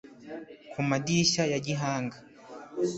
ku madirishya ya gihanga